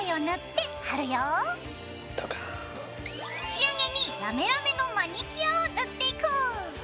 仕上げにラメラメのマニキュアを塗っていこう！